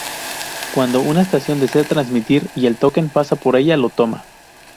Cuando una estación desea transmitir y el Token pasa por ella, lo toma.